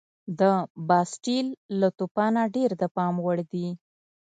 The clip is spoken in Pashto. د باسټیل له توپانه ډېر د پام وړ دي.